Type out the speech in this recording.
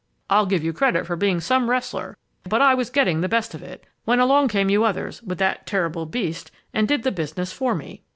I'll give you credit for being some wrestler, but I was getting the best of it, when along came you others with that terrible beast and did the business for me!